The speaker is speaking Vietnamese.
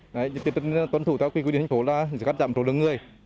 tiếp tục tuân thủ theo quy định thành phố là giữ các trạm trộn đơn người